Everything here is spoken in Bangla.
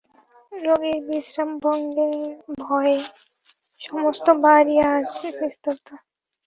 রোগীর বিশ্রামভঙ্গের ভয়ে সমস্ত বাড়ি আজ নিস্তব্ধ।